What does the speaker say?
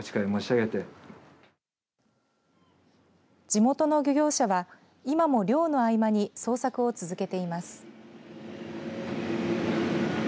地元の漁業者は今も漁の合間に捜索を続けています。